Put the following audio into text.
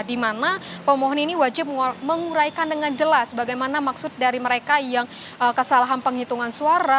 di mana pemohon ini wajib menguraikan dengan jelas bagaimana maksud dari mereka yang kesalahan penghitungan suara